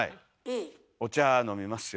お茶飲みますよ。